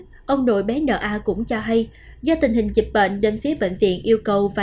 bệnh viện bệnh viện nga cũng cho hay do tình hình dịch bệnh nên phía bệnh viện yêu cầu và